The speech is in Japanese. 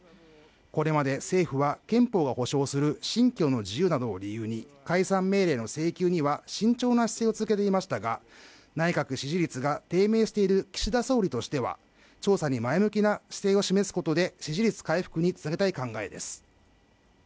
これまで政府は憲法が保障する信教の自由などを理由に解散命令の請求には慎重な姿勢を続けていましたが内閣支持率が低迷している岸田総理としては調査に前向きな姿勢を示すことで支持率回復につなげたい考えです